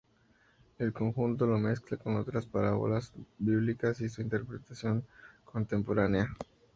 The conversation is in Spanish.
El conjunto lo mezcla con otras parábolas bíblicas y su interpretación contemporánea.